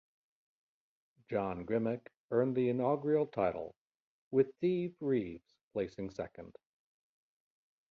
John Grimek earned the inaugural title with Steve Reeves placing second.